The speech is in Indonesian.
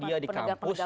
ya kalau dia di kampus